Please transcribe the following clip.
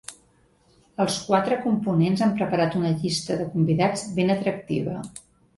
Els quatre components han preparat una llista de convidats ben atractiva.